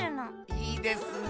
いいですね。